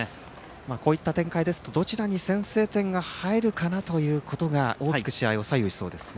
こういった展開ですとどちらに先制点が入るかが大きく試合を左右しそうです。